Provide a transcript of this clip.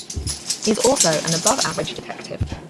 He is also an above average detective.